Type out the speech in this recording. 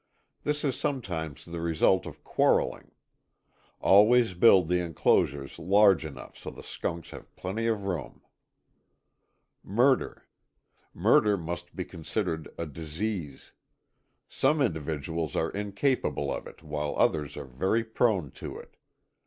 This is sometimes the result of quarreling. Always build the enclosures large enough so the skunks have plenty of room. MurderŌĆöMurder must be considered a disease. Some individuals are incapable of it while others are very prone to it.